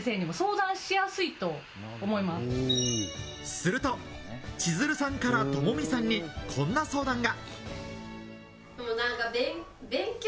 すると千鶴さんから友美さんにこんな相談が。